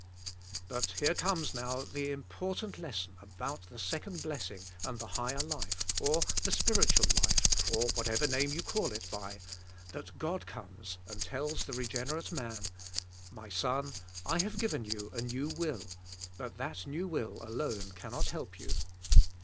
But here comes now the important lesson about the second blessing and the higher life, or the spiritual life, or whatever name you call it by, that God comes and tells the regen erate man, "My son, I have given you a new will, but that new will, alone, cannot help you."